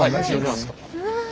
うわ。